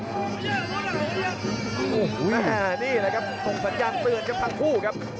อันนี้แล้วกับทรงสะยามเสือนกับทั้ง๒ครับ